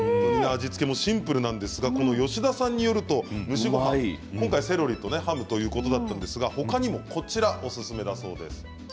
味付けもシンプルなんですが吉田さんによりますとセロリとハムということなんですが他にもこちらがおすすめだそうです。